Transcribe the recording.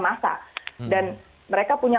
masa dan mereka punya